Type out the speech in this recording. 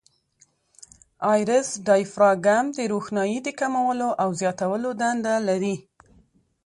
آیرس ډایفراګم د روښنایي د کمولو او زیاتولو دنده لري.